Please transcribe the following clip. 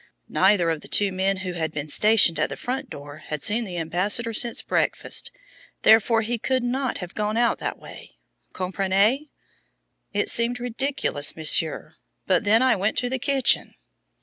Neither of the two men who had been stationed at the front door had seen the ambassador since breakfast, therefore he could not have gone out that way. Comprenez? It seemed ridiculous, Monsieur, but then I went to the kitchen.